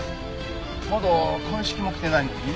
まだ鑑識も来てないのに？